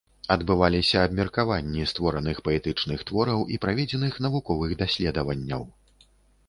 Адбываліся абмеркаванні створаных паэтычных твораў і праведзеных навуковых даследаванняў.